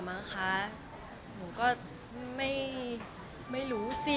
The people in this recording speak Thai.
ถ้าอยากตัวทำอะไรก็เหมือนเป็นที่สำคัญมันอึดอันไหม